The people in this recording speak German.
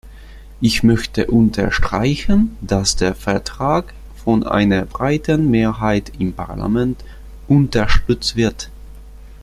Ich möchte unterstreichen, dass der Vertrag von einer breiten Mehrheit im Parlament unterstützt wird.